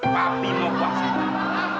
papi mau kuaksain